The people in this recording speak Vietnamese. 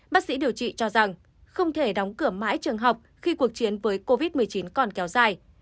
bác sĩ điều trị cho rằng không thể đóng cửa mãi trường học khi cuộc chiến với covid một mươi chín còn kéo dài